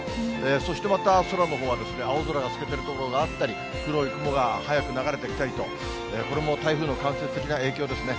そしてまた、空のほうは青空が透けてる所があったり、黒い雲が速く流れてきたりと、これも台風の間接的な影響ですね。